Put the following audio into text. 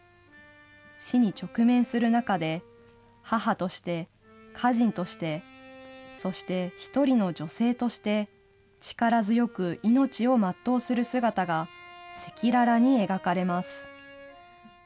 死に直面する中で、母として、歌人として、そして１人の女性として、力強く命を全うする姿が赤裸々に描かれます。